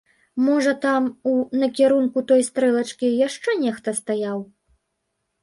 Можа там, у накірунку той стрэлачкі, яшчэ нехта стаяў?